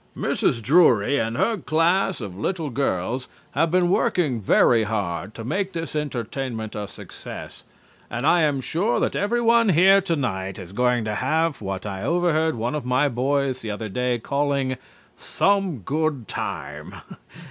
Mrs. Drury and her class of little girls have been working very hard to make this entertainment a success, and I am sure that everyone here to night is going to have what I overheard one of my boys the other day calling 'some good time.'